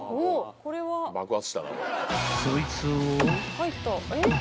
［そいつを］